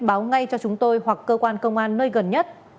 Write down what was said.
báo ngay cho chúng tôi hoặc cơ quan công an nơi gần nhất